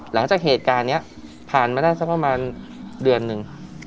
หลังจากเหตุการณ์นี้ผ่านมาได้สักประมาณเดือนหนึ่ง